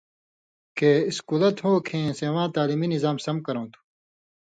کہ اِسکُلہ تھو کھیں سِواں تعلیمی نظام سم کرؤں تُھو۔